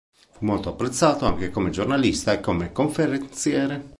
Fu molto apprezzato anche come giornalista e come conferenziere.